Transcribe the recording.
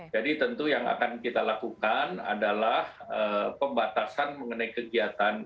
jadi tentu yang akan kita lakukan adalah pembatasan mengenai kegiatan